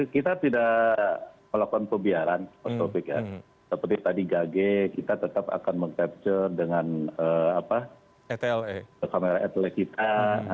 kita tidak melakukan pembiaran seperti tadi gage kita tetap akan mencapture dengan kamera etele kita